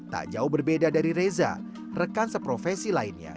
tak jauh berbeda dari reza rekan seprofesi lainnya